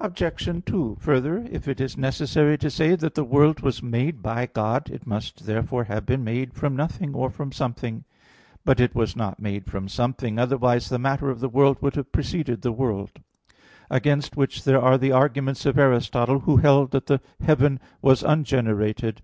Obj. 2: Further, if it is necessary to say that the world was made by God, it must therefore have been made from nothing or from something. But it was not made from something; otherwise the matter of the world would have preceded the world; against which are the arguments of Aristotle (De Coelo i), who held that heaven was ungenerated.